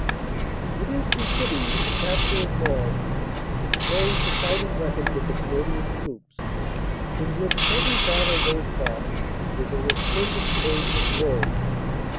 "It is befitting that the capture of Mons should close the fighting records of the Canadian Troops, in which every battle they fought is a resplendent page of glory.